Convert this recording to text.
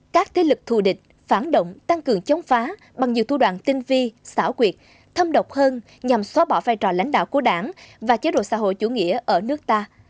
các thế lực thù địch phản động tăng cường chống phá bằng nhiều thu đoạn tinh vi xảo quyệt thâm độc hơn nhằm xóa bỏ vai trò lãnh đạo của đảng và chế độ xã hội chủ nghĩa ở nước ta